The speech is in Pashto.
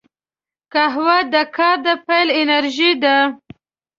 قهوه د کار د پیل انرژي ده